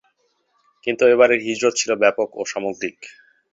কিন্তু এবারের হিজরত ছিল ব্যাপক ও সামগ্রীক।